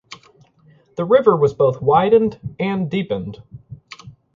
The river was both widened and deepened.